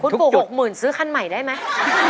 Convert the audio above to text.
คุณปู่๖๐๐๐ซื้อคันใหม่ได้ไหม